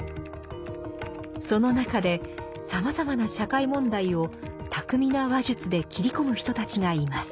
その中でさまざまな社会問題を巧みな話術で切り込む人たちがいます。